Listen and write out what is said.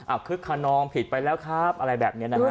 อะคึกหานองผิดไปแล้วครับอะไรแบบนี้นะครับ